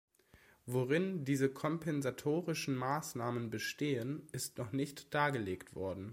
Worin diese kompensatorischen Maßnahmen bestehen, ist noch nicht dargelegt worden.